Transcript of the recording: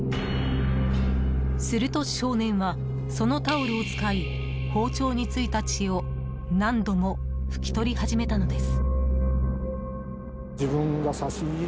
すると少年は、そのタオルを使い包丁に付いた血を何度も拭き取りはじめたのです。